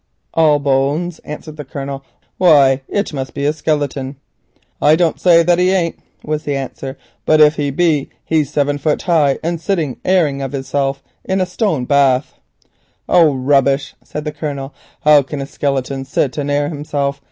"All bones?" answered the Colonel, "why it must be a skeleton." "I don't say that he ain't," was the answer, "but if he be, he's nigh on seven foot high, and sitting airing of hissel in a stone bath." "Oh, rubbish," said the Colonel. "How can a skeleton sit and air himself?